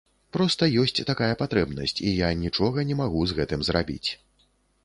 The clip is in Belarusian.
Проста ёсць такая патрэбнасць, і я нічога не магу з гэтым зрабіць.